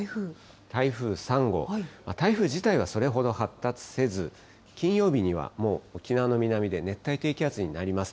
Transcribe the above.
台風３号、台風自体はそれほど発達せず、金曜日にはもう、沖縄の南で熱帯低気圧になります。